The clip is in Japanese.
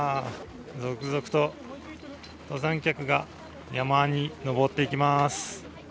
続々と登山客が山に登っていきます。